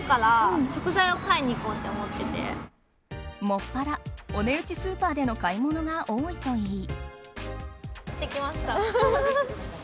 専らお値打ちスーパーでの買い物が多いといい。